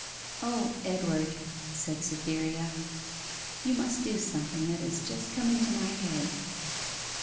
'O, Edward,' said Cytherea, 'you must do something that has just come into my head!